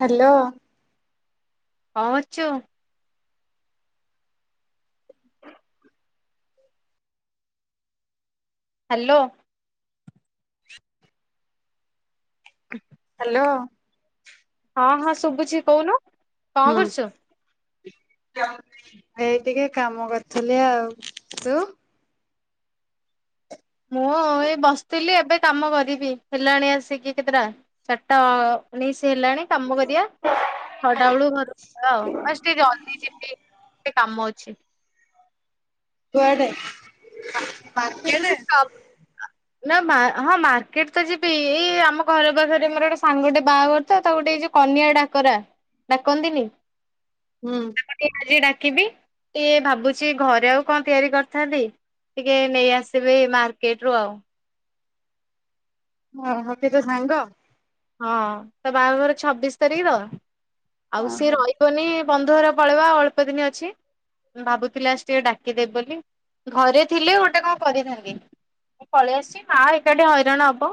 Hello କଣ କରୁଚୁ? Hello ହ [inaudible] ହ୍ୟାଲୋ ହଁ ହଁ ଶୁଭୁଛି କହୁନୁ କଣ କରୁଛୁ ଏଇ ଟିକେ କାମ କରୁଥିଲି ଆଉ ତୁ ମୁଁ ଏଇ ବସିଥିଲି ଏବେ କାମ କରିବି ହେଲାଣି ଆସିକି କେତେଟା ଚାରିଟା ଉଣେଇଶି ହେଲାଣି । କାମ କରିବା ଛଟା ବେଳୁ ଘର ଆଉ ଟିକେ ଜଲଦି ଯିବି କାମ ଅଛି କୁଆଡେ? ମାର୍କେଟ ନା ହଁ ମାର୍କେଟ ତ ଯିବି ଏଇ ଆମ ଘର ପାଖରେ ମୋର ଗୋଟେ ସାଙ୍ଗ ଟେ ବାହାଘର ତ ତାକୁ ଗୋଟେ ଏଇ ଯୋଉ କନିଆ ଡାକରା ଡାକନ୍ତିନି । ହୁଁ। ା [unintelligible] ଦେଖିବି ଟ ଭାବୁଛି ଘରେ ଆଉ କଣ ତିଆରି କରିଥାନ୍ତି ଟିକେ ନେଇ ଆସିବେ ମାର୍କେଟ ରୁ ଆଉ ହଁ ହ ସେ ତ ସାଙ୍ଗ ହଁ ତା ବାହାଘର ଛବିଶ ତାରିଖ ତ ଆଉ ସିଏ ଓହୋ ରହିବନି ବନ୍ଧୁ ଘର ପଳେଇବା ଅଳ୍ପ ଦିନ ଅଛି ଭାବୁଥିଲି ଆସ ଟିକେ ଡାକିଦେବ ବୋଲି ଘରେ ଥିଲେ ଗୋଟେ କଣ କରିଥାନ୍ତି ମୁ ପଳେଇ ଆସିଛି ମା ଏକାଠି ହଇରାଣ ହବ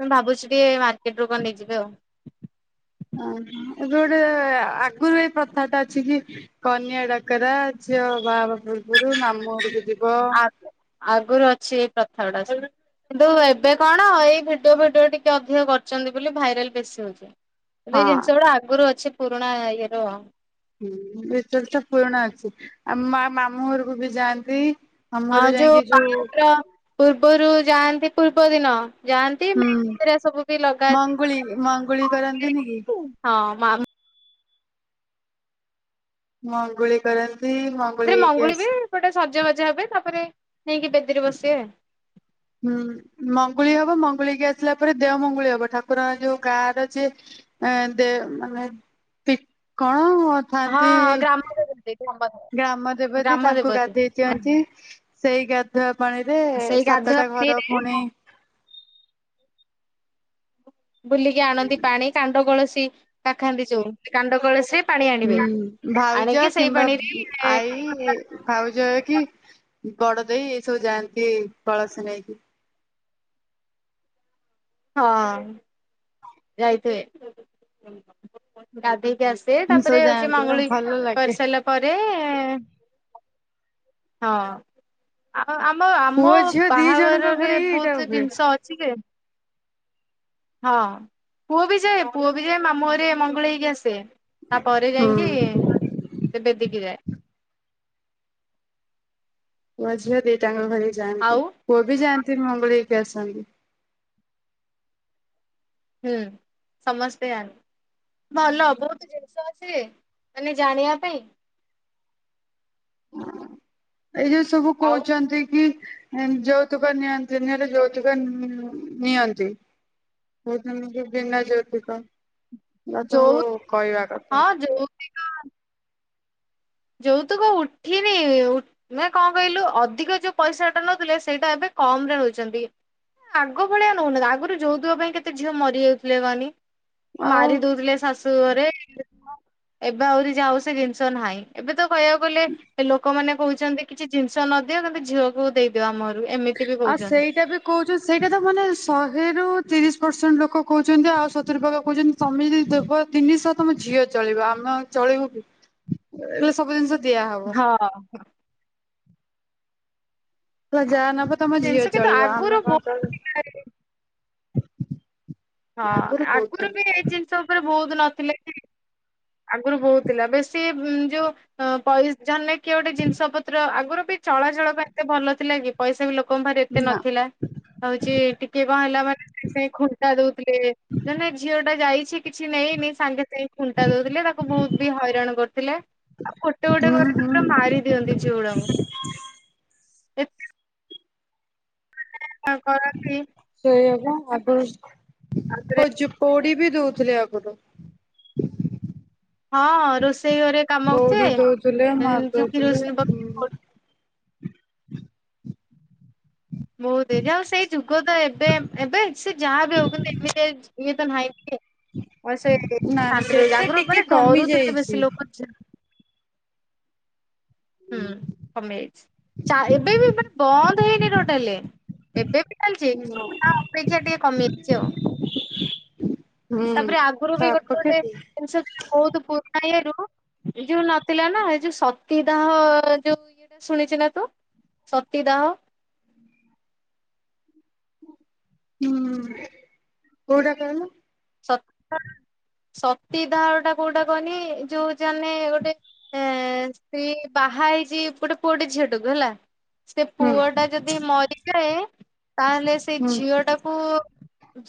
ମୁଁ ଭାବୁଛି ଟିକେ । କେତେ ଟୋକ ନେଇଯିବେ ଆଉ [unintelligible] ହ ଏବେ ଗୋଟେ ଆଗରୁ ଏ ପ୍ରଥାଟା ଅଛି କି କନିଆ ଡାକରା ଝିଅ ବାହା ପୂବ୍ରସ । ସେଠୁ ମାମୁଁ ଘର କୁ ଯିବ ଆ ଆଗରୁ ଅଛି ଏଇ ପ୍ରଥା ଗୁଡା କିନ୍ତୁ ଏବେ କଣ ଏଇ ଭିଡିଓ ଫିଡିଓ ଟିକେ ଅଧିକ କରିଛନ୍ତି ବୋଲି ଭାଇରାଲ ବେଶୀ ହଉଛି। ଏବେ ହଁ ଜିନିଷ ଗୁଡା ଆଗରୁ ଅଛି। ପୁରୁଣା ଇରୁ ହୁଁ ଏଚ ପୁରୁଣା ଅଛି ଆମ ମା ମାମୁଁ ଘରକୁ ବି ଯାଆନ୍ତି। ମାମୁଁ ହଁ ଘରକୁ ଯୋଉ ଯାଇକି ବାହାଘର ପ ପୂର୍ବରୁ ଯାଆନ୍ତି ପୂର୍ବ ଦିନ ଯାଆନ୍ତି ହୁଁ ମ ସବୁ ବି ଲଗା ମଙ୍ଗୁଳି ମଙ୍ଗୁଳି କରନ୍ତିନି କି ହଁ [unintelligible] ମଁଙ୍ଗୁଳିୀ କରରଣ ସେରେ ମଙ୍ଗୁଳି ବି ଗୋଟେ ସଜବା ହ ତାପରେ ନେଇକି ବେଦୀରେ ବସିବେ ହୁଁ ମଙ୍ଗୁଳି ହବ ମଙ୍ଗୁଳି କିି ଆସିଲା ପରେ ଦେହ ମଙ୍ଗୁଳି ହବ ଠାକୁର ଯୋଉ ଗାଁ ର ଯିଏ ଦେ ମାନେ କଣ ହଁଁ ହଁ ଥାନ୍ତି। ହଁ ଗ୍ରାମ ଦେବତୀ ଗ୍ରାମ ଗ୍ରାମ ଦେବତୀ ଗ୍ରାମ ତାଙ୍କୁ ଦେବତୀ। ଗାଧେଇ ଦିଅନ୍ତି ସେଇ ଗାଧୁଆ ପାଣିରେ ସେଇ ଗାଧୁଆ ସାତଟା ଘର ପାଣିରେ ପୁଣି ବୁଲିକି ଆଣନ୍ତି ପାଣି କାଣ୍ଡ କଳସୀ କାଖାନ୍ତି ଯୋଉ କାଣ୍ଡ କଳସୀ । ହୁଁ ଭାଉଜା କିମ୍ବା ପାଣିରେ ଆଈ ଭାଉଜା ବଡ ଦେଇ ଏ ସବୁ ଯାଆନ୍ତି କଳସୀ ନେଇକି । ହଁ ଯାଇଥେ ଗାଧେଇ। ଆସେ ଏମିତି ସବୁ ତାପରେ ହୋଉଛି ଯାଆନ୍ତି ଆଉ ମାଙ୍ଗୁଳି ଭଲ ଲାଗେ କରିସାଇଲା ପରେ ହଁ। ହଁ ଆମ ପୁଅ ଆମ ଝିଅ ଦି ଜଣଙ୍କ ବାହାଘରରେ ଘରେ ହିଁ ଏଇଟା ବହୁତ ହୁଏ। ଜିନିଷ ଅଛି ଜେ? ହଁ ପୁଅ ବି ଯାଏ ପୁଅ ବି ଯାଏ ମାମୁଁ ଙ୍ଘରେ ମଙ୍ଗୁଳି ହେଇକି ଆସେ । ତାପରେ ଯାଇକି ହୁଁ। ସେ ବେଦକି ଯାଏ । ପୁଅ ଝିଆ ଦେଇ ଟାଙ୍କ ଘରେ ଯାଆନ୍ତି ଆଉ ପୁଅ ବି ଯାଆନ୍ତି । ମଙ୍ଗୁଳି ହେଇକି ଆସନ୍ତି । ହୁଁ ସମସ୍ତେ ଆ ଭଲ ବହୁତ ଜିନିଷ ଅଛି ମାନେ ଜାଣିବା ପାଇଁ। ଏଇ ଯୋଉ ସବୁ ଆଉ କହୁଛନ୍ତି କି ଯୌତୁକ ନିଅନ୍ତି ନିଲେ ଯୌତୁକ ନିଅନ୍ତି [unintelligible] ବିନା ଯୌତୁକ ବାପାଙ୍କୁ ଯୋଉ କହିବା କଥା ହଁ । ଯୌତୁକ ଯୌତୁକ ଉଠିନି ମ କଣ କହିଲୁ ଅଧିକ ଯୋଉ ପଇସାଟା ନଉଥିଲେ ସେଇଟା ଏବେ କମ ରେ ନୋଉଛନ୍ତି ଆଗ ଭଳିଆ ନୋଉ ନାହାନ୍ତି ଆଗରୁ ଯୌତୁକ ପାଇଁ କେତେ ଝିଅ ମରିଯାଉ ଥିଲେ କହନି? ଆଉ ମାରି ଦୋଉଥିଲେ ଶାଶୁ ଘରେ । ଏବେ ଆହୁରି ଯାଉ ସେ ଜିନିଷ ନାହିଁ । ଏବେ ତ କହିବାକୁ ଗଲେ ଏ ଲୋକମାନେ କୋହୁଛନ୍ତି କିଛି ଜିନିଷ ନଦିଅ କିନ୍ତୁ ଝିଅକୁ ଦେଇଦିଅ ଆମ ହ ଆଉ ସେଇଟା ବି କୋହୁଚୁ ସେଇଟା ତ ମାନେ ଶହେରୁ ତିରିଶ ପର୍ସେଣ୍ଟ ଲୋକ କୋହୁଚନ୍ତି ଆଉ ସତୁରି ପର୍ସେଣ୍ଟ ଲୋକ କୋହୁଚନ୍ତି ତମେ ଯଦି ଦେବ ତିନିଷ ତମ ଝିଅ ଚଳିବ ଆମେ ଆ ଚଳିବୁକି ଏ ହେଲେ ସବୁ ଜିନିଷ ଦିଆହବ। ହଁ। ତମେ ଯାହା ନବ ତମ ଜିନିଷ ଝିଅ କିନ୍ତୁ ଚଳିବ ଆଗରୁ ଆମେ ବହୁତ କଣ ଚଳିବୁ। ହଁ ଆଗରୁ ଆଗୁରୁ କହୁଥିଲେ ବି ଏ ଜିନଷ ଉପରେ ବୋହୁତ ନ ଥିଲା କି? ଆଗରୁ ବୋହୁତ ଥିଲା ବେଶୀ ଯୋଉ ଉଁ ପାଇସ୍ ଜାନ୍ ରେ କିଏ ଗୋଟେ ଜିନିଷ ପତ୍ର ଆଗରୁ ବି ଚଳାଚଳ ପାଇଁ ଏତେ ଭଲ ଥିଲା କି ପଇସା ବି ଲୋ ଲୋକଙ୍କ ପାଖରେ ଏତେ ନା। ନଥିଲା ତ ହୋଉଚି ଟିକେ କଣ ହେଲା ମାନେ ସାଙ୍ଗେ ସାଙ୍ଗେ ଖୁଣ୍ଟା ଦୋଉଥିଲେ ଧରନିଅ ଝିଅଟା ଯାଇଚି କିଛି କିଛି ନେଇ ନେଇ ସାଙ୍ଗେ ସାଙ୍ଗେ ଖୁଟା ଦୋଉଥିଲେ ତାକୁ ବୋହୁତ ବି ହଇରାଣ କରୁଥିଲେ ଆଉ ଗୋଟେ ଗୋଟେ ହୁଁ ଘରେ ତାପରେ ହୁଁ ମାରିଦିଅନ୍ତି ଝିଅଗୁଡାଙ୍କୁ। ଏ ହଁ। ଆଉ କରନ୍ତି ଆଦୌ ତାପରେ ତ ଯୋଉ ପୋଡିୀ ବି ଦୋଉଥୁଲେ ଆଗରୁ। ହଁ ରୋଷେଇ ଘରେ କାମ ପୋଡି ଦଉଥିଲେ କରୁଥୁବେ ଅଁ ମାରି ଯୋଉ ଦଉଥିଲେ କିରୋସିନ ପକେଇ। [inaudible] ହୁଁ। ମୋ ଦେଇ ଯହାହୋଉ ସେଇ ଯୁଗ ତ ଏବେ ଏବେ ସେ ଯାହା ବି ହୋଉ କିନ୍ତୁ ଏମିତିଆ ଇଏ। ତା ଭାଇ ଆଉ ସେ ନା ନା ଶାନ୍ତି ରହୁଚି ସେତେ ଆଗରୁ ଟିକେ ମାନେ କମି ଡରୁଥିଲେ ଯାଇଛି। ବେଶୀ ଲୋକ ଝି ହୁଁ କମିଯାଇଚି ଚା ଏବେ ଏବେ ମାନେ ବନ୍ଦ ହେଇନି ଟୋଟାଲେ ଏବେ ବି ଚାଲଚି ତା ଅପେକ୍ଷା ଟିକେ କମିଯାଇଚି ଆଉ ହୁଁ ତାପରେ ଆଗରୁ ବି ଗୋଟେ ପାଖାପାଖି ଗୋଟେ ହୁଁ ଜିନିଷ ଥିଲା ବହୁତୁ ପ କାୟାରୁ ଏଇଯୋଉ ନଥିଲା ନା ଏଇଯୋଉ ଶତି ଦାହ ଯୋଉ ଇଏଟା ଶୁଣିଚୂ ନା ତୁ ସତୀଦାହ। ହୁଁ କୋଉଟା କହୁନୁ। ସତ ସତୀଦାହଟା କୋଉଟା କହନି ଯୋଉ ଜନେ ଗୋଟେ ଏଁ ସ୍ତ୍ରୀ ବାହାହେଇଚି ଗୋଟେ ପୁଅଟେ ଝିଅଟେକୁ ହେଲା ସେ ହୁଁ ପୁଅଟା ଯଦି ମରିଯାଏ ତାହେଲେ ସେଇ ହୁଁ ଝିଅଟାକୁ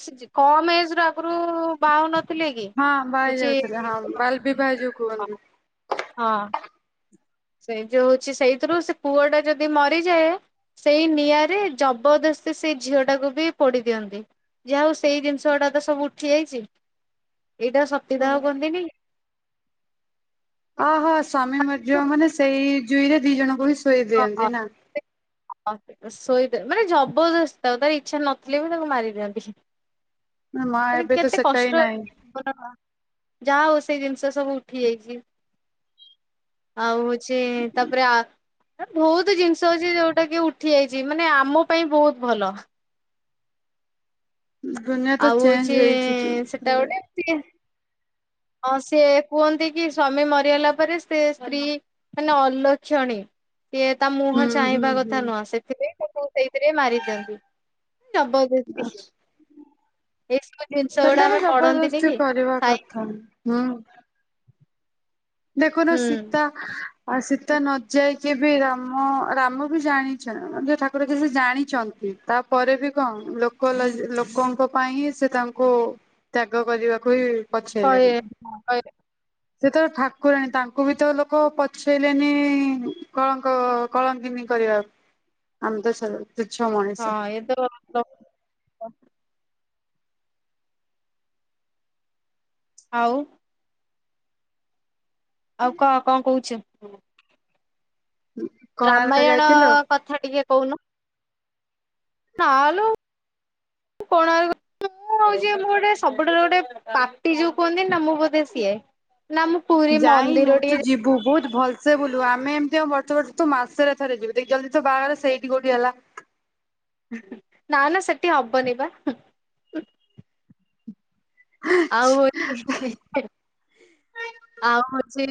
ସେ ଯେ କମ ଏଜର ରୁ ବାହା ହୋଉ ନ ହଁ ବାହା ହେଇଯାଉଥିଲେ ହଁ ବାଲବିବାହ ଏଇଯୋଉ କୁହନ୍ତି। ହଁ। ସେଇ ଯୋଉ ହଉଛି ସେଇଥିରୁ ସେ ପୁଅଟା ଯଦି ମରିଯାଏ ସେଇ ନିଆଁରେ ଜବରଦସ୍ତି ସେ ଝିଅଟାକୁ ବି ପୋଡି ଦିଅନ୍ତି ଯାହା ହଉ ସେଇ ଜିନିଷଟା ତ ସବୁ ଉଠି ଯାଇଛି। ଏଇଟା ସତିଦା ହଉ କରିଦେବି ଅ ହୋ ସ୍ୱାମୀ ମରିଯିବ ମାନେ ସେଇ ଜୁଇରେ ଦି ଜଣ ସୋଇଦିଅନ୍ତି ନା। ଶୋଇ ମାନେ ଜବରଦସ୍ ଆଉ ତାର ଇଚ୍ଛା ନଥିଲେ ବି ତାକୁ ମାରି ଦିଅନ୍ତି। ମା ମାନେ ଏବେ ତ କେତେ ସେଟାବି କଷ୍ଟ ନାହିଁ। ଯାହା ହଉ ସେଇ ଜିନିଷ ସବୁ ଉଠି ଯାଇଛି [inaudible] ଆଉ ହଉଛି ତାପରେ ବହୁତ ଜିନିଷ ଅଉଛି ଯୋଉଟା କି ଉଠି ଯାଇଛି ମାନେ ଆମ ପାଇଁ ବହୁତ ଭଲ। ଦୁନିଆ ତ ଆଉ ଚେଞ୍ଜ ହଉଛି ହେଇଛି ସେଟା ହେଲେ ଗୋଟେ ଟିକେ ହଁ ସେ କୁହନ୍ତି କି ସ୍ଵାମୀ ମରିଗଲା ପରେ ସେ ସ୍ତ୍ରୀ ମାନେ ଅଲକ୍ଷଣୀ। କିଏ ତା ହୁଁ ମୁହଁ ହୁଁ ଚାହିଁବା ହୁଁ। କଥା ନୁହଁ ସେଥିପାଇଁ [unintelligible] ସେଇଥିରେ ମାରି ଦିଅନ୍ତି ଜବରଦସ୍ତି [inaudible] ଏସବୁ ଜିନିଷ ଗୁଡା ସେତେବେଳେ ଆମେ ପଢନ୍ତିନି ଜବରଦସ୍ତି କି କରିବା ସାଇ କଥା ହୁଁ। ଦେଖୁନୁ ହୁଁ ସୀତା ଆସିଚି। ସୀତା ନ ଯାଇକି ବି ରାମ ରାମ ବି ଜାଣିଛ ଯେ ଠାକୁର ଯ ସେ ଜାଣିଛନ୍ତି ତାପରେ ବି କଣ ଲୋକ ଲୋକଙ୍କ ପାଇଁ ହିଁ ସେ ତାଙ୍କୁ ତ୍ୟାଗ କରିବାକୁ ହି [unintelligible] ଯେତେବେଳେ ଠା କୁରାଣୀ ତାଙ୍କୁ ବି ତ ଲୋକ ପଛେଇଲେନି କଳଙ୍କ କଳଙ୍କିନୀ କରିବାକୁ ଆମ ତ ଛାଡ ହଁ ଏଇ ତ ଆଉ ଆଉ କଣ କଣ କହୁଛ? ହୁଁ। କୋଣାର୍କ ରାମାୟଣ ଯାଇଥିଲୁ କଥା ଟିକେ କହୁନୁ। ନା ଲୋ କୋଣାର୍କ ମୁଁ ହଉଚି ମୁଁ ଗୋଟେ ସବୁଠାରୁ ଗୋଟେ ପାପି ଯୋଉ କୁହନ୍ତିନି। ମୁ ବୋଧେ ସିଏ ନା ମୁଁ ପୁରୀ ଯାଇନୁ ମନ୍ଦିର ତୁ ଟିକେ ଯିବୁ ବହୁତ ଭଲସେ ବୁଲିବୁ ଆମେ [unintelligible] ନା ନା ସେଠି ହବନି ବା ଆଉ ହଉଛି ଉଁ ଉଁ ଉଁ ଆଉ ହଉଛି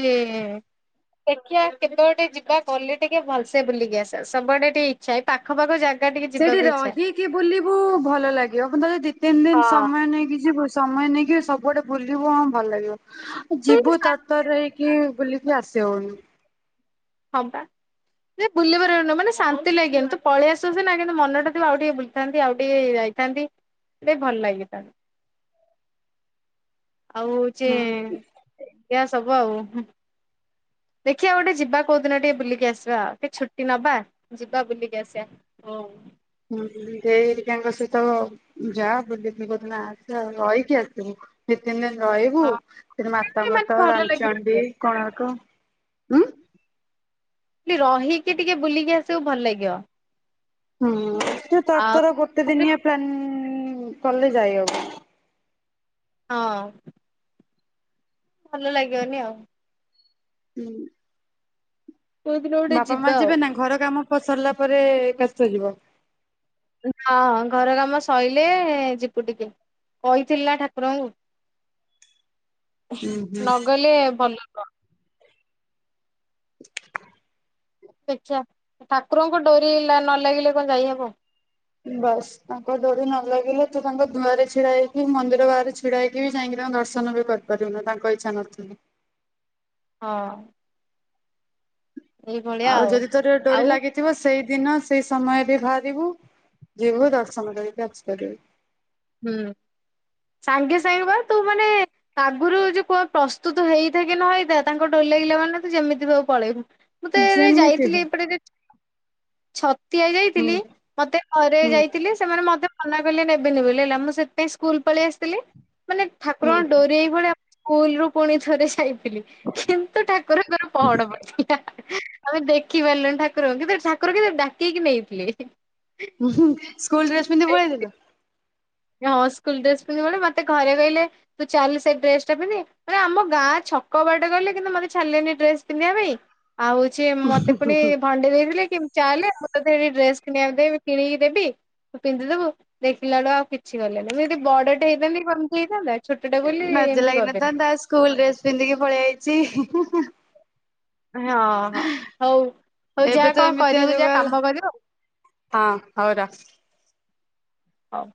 ଦେଖିବା କେତେବେଳେ ଗୋଟେ ଯିବା ଗଲେ ଟିକେ ଭଲସେ ବୁଲିକି ଆସିବା ସବୁଆଡେ ଟିକେ ଇଚ୍ଛା ଏଇ ପାଖ ପାଖ ଯା ସେଇଠି ରହିକି ବୁଲିବୁ ଭଲ ଲାଗିବ ଦି ତିନି ଦିନ ହଁ ସମୟ ନେଇକିଛି ଯିବୁ ସମୟ ନେଇକି ସବୁଆଡେ ବୁଲିବୁ ହଁ ଭଲ ଲାଗିବ। ଯିବୁ ତରତରରେ ହେଇକି ବୁଲିକି ଆସି ହଉନି। ହଁ ପା ଯେ ବୁଲି ପାରିବନି ମାନେ ଶାନ୍ତି ଲାଗିବନି ତୁ ପଳେଇ ଆସୁ ନା କିନ୍ତୁ ମନ ଟା ତ ଆଉ ଟିକେ ବୁଲିଥାନ୍ତି ଆଉ ଟିକେ ଯାଇଥାନ୍ତି ତ ଭଲ ଲାଗିଥାନ୍ତି ଆଉ ଚେ। ହୁଁ। ଏଇଆ ସବୁ ଆଉ ଦେଖିବା ଗୋଟେ ଯିବା କୋଉ ଦିନ ଟିକେ ବୁଲିକି ଆସିବା ଆଉ ଟିକେ ଛୁଟି ନବା ଯିବା ବୁଲିକି ଆସିବା ହଉ । ହୁଁ ଦେଇ ହେରିକା ସହିତ ଯା ବୁଲିକି କଉ ଦିନ ଆସେ ଆଉ ରହିକି ଆସିବୁଦିତିନ୍ ଦିନ୍ ରହିବୁ ସେ ମାତା ମାନେ ମଠ ଭଲ ଲାଗିବ ରାମଚଣ୍ଡିୀ ଟିକେ କୋଣାର୍କ ଉଁ। ରହିକି ଟିକେ ବୁଲିକି ଆସିବୁ ଭଲ ଲାଗିବ। ହୁଁ। ତର ଆଉ ତର ଗୋଟେ ଦିନିଆ ପ୍ଲାାନ୍ ଉଁ କ। ହଁ। ଭଲ ଲାଗିବନି ଆଉ। ହୁଁ। କୋଉଦିନ ଗୋଟେ ବାପା ମା ଯିବା ଯିବେ ନା ଘର କାମ ପ ସରିଲା ପରେ ଏକା ସହିତ ଯିବ। ହଁ ଘର କାମ ସଇଲେ ଯିବୁ ଟିକେ। ହୁଁ ହୁଁ। ନଗଲେ ଭଲ। [unintelligible] [inaudible] ଦେଖ୍ୟା ଠାକୁରଙ୍କୁ ଡୋରି ନ ଲାଗିଲେ କଣ ଯାଇହବ। ବାସ୍ ତାଙ୍କ ଡୋରି ନ ଲାଗିଲେ ତୁ ତାଙ୍କ ଧୂଆରେ ଛିଡା ହେଇକି ମନ୍ଦିର ବାହାରେ ଛିଡା ହେଇକି ବି ଯାଇକି ତାଙ୍କ ଦର୍ଶନ ବି କରିପାରିବୁନ ତାଙ୍କ ଇଛା ନଥିଲେ। ହଁ। ଆଉ ଯଦି ତୋର ଡୋରି ଆଉ ଲାଗିଥିବ ସେଇ ଦିନ ସେଇ ସମୟରେ ବାହାରିବୁ ଯିବୁ ଦର୍ଶନ କରିକି ଆସିି ପାରିବୁ। ହୁଁ । ମୁଁ ତଏ ଯେମିତି ରେଯାଇଥିଲି ହଉ। ଏପଟେ ଛତ୍ ତିଆ ହୁଁ ଯାଇଥିଲି ମତେ ଅରେ ହୁଁ ଯାଇଥିଲି ସେମାନେ ମତେ ମନା କଲେ ନେବେନି ବୋଲି। ହେଲା ମୁଁ ସେଥି ପାଇଁ ସ୍କୁଲ ପଳେଇ ଆସିଥିଲି। ମାନେ ଠାକୁରଙ୍କ ଡରି ଏଇ ଭଳିଆ ସ୍କୁଲ ରୁ ପୁଣି ଥରେ ଜାଇ ତିଲି କିନ୍ତୁ ଠାକୁରଙ୍କର ପହଡ ପଡିଥିଲା। ଆମେ ଦେଖି ପାରିଲୁନି ଠାକୁରଙ୍କୁ କିନ୍ତୁ ଠାକୁର କିନ୍ତୁ ଡାକିକି ନେଇଥିଲେ। ଉହୁଁ ସ୍କୁଲ ଡ୍ରେସ ପିନ୍ଧି ପଳେଇଥିଲ? ହଁ ସ୍କୁଲ ଡ୍ରେସ୍ ପିନ୍ଧି ପୁଣି ମତେ ଘରେ କହିଲେ ତୁ ଚାଲ ସେ ଡ୍ରେସଟା ପିନ୍ଧି ମାନେ ଆମ ଗାଁ ଛକ ବାଟେ ଗଲେ କିନ୍ତୁ ମୋତେ ଛାଡିଲେନି ଡ୍ରେସ ପିନ୍ଧିବା ପାଇଁ। ଆଉ ହଉଛି ମତେ ପୁଣି ଭଣ୍ଡେଇ ଦେଇଥିଲେ କି ଚାଲେ ଏଠି ଆସି ଡ୍ରେସ କିଣିବାକୁ ଦେଇ କିଣିକି ଦେବି ପିନ୍ଧିଦବୁ ଦେଖିଲାଳୁ ଆଉ କି କିଛି ଦେଲେନି ମୁଁ ଯଦି ବଡଟେ ହେଇଥାନ୍ତି କମ ହେଇଥାନ୍ତା। ଛୋଟଟେ ବୋଲି ମଜା ଏମିତି କରିଦେଲି। ଲାଗିନଥାନ୍ତା ସ୍କୁଲ ଡ୍ରେସ ପିନ୍ଧିକି ପଳେଇ ଆଇଚି ହିଁ ହିଁ ହୁଁ। କୁହ। ହଁ ହଁ ହଉ ହଉ ଏବେ ଯା ତ କଣ ଏମିତିଆ କରିବୁ ଯୁଗ ଯା ହେଲା କାମ କରିବୁ। ହଁ ହଉ ରଖ। ହଉ।